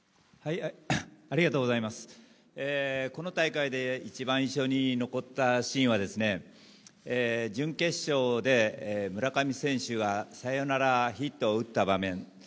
この大会で一番印象に残ったシーンは準決勝で村上選手がサヨナラヒットを打った場面。